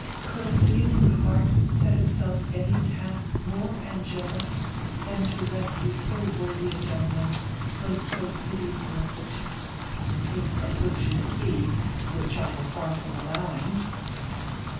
Could a feeling heart set itself any task more angelic than to rescue so worthy a gentleman from so hideous an affliction if affliction it be, which I am far from allowing?'